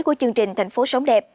của chương trình thành phố sống đẹp